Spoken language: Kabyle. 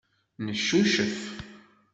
Neccucef.